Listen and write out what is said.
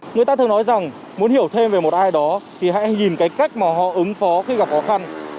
người ta thường nói rằng muốn hiểu thêm về một ai đó thì hãy nhìn cái cách mà họ ứng phó khi gặp khó khăn